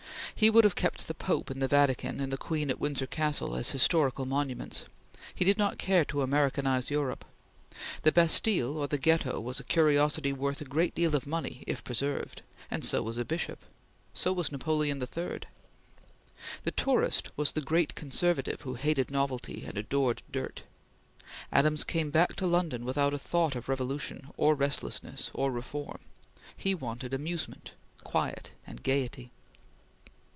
He would have kept the Pope in the Vatican and the Queen at Windsor Castle as historical monuments. He did not care to Americanize Europe. The Bastille or the Ghetto was a curiosity worth a great deal of money, if preserved; and so was a Bishop; so was Napoleon III. The tourist was the great conservative who hated novelty and adored dirt. Adams came back to London without a thought of revolution or restlessness or reform. He wanted amusement, quiet, and gaiety.